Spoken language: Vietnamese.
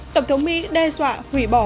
tổng thống mỹ đe dọa hủy bỏ